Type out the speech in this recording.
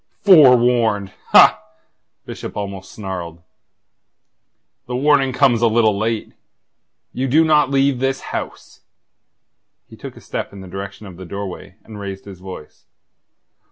"Forewarned? Ha!" Bishop almost snarled. "The warning comes a little late. You do not leave this house." He took a step in the direction of the doorway, and raised his voice.